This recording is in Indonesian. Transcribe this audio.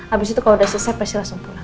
abis itu kalau udah selesai pasti langsung pulang